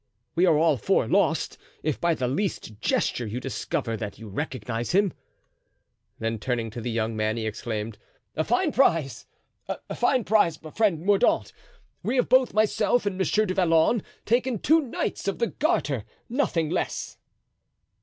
"We are all four lost, if by the least gesture you discover that you recognize him." Then turning to the young man he exclaimed: "A fine prize! a fine prize, friend Mordaunt; we have both myself and Monsieur du Vallon, taken two Knights of the Garter, nothing less."